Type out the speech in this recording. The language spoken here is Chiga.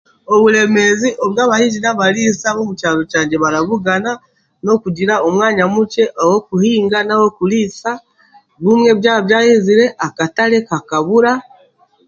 Oburemeezi obu abahingi n'abariisa barikubugana omukyanga kyaitu n'okushanga hariho omwanya mukye ah'okuhinga na ah'okuriisa n'obumwe byabyayezire akatare kakabura